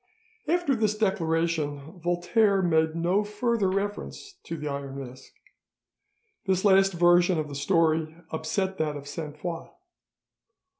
After this declaration Voltaire made no further reference to the Iron Mask. This last version of the story upset that of Sainte Foix.